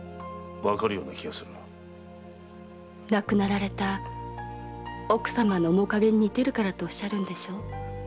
亡くなられた奥様の面影に似てるからと言うのでしょ？